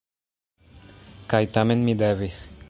Kaj tamen mi devis.